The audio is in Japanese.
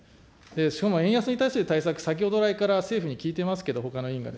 しかも円安に対する対策、先ほど来から、政府に聞いてますけど、ほかの委員が。